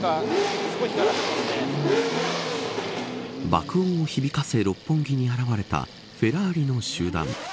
爆音を響かせ六本木に現れたフェラーリの集団。